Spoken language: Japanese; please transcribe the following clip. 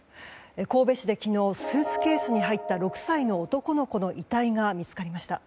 神戸市で昨日、スーツケースに入った６歳の男の子の遺体が見つかりました。